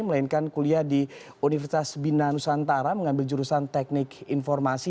melainkan kuliah di universitas bina nusantara mengambil jurusan teknik informasi